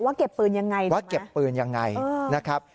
เก็บปืนยังไงว่าเก็บปืนยังไงนะครับ